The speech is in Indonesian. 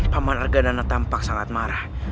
paman arganana tampak sangat marah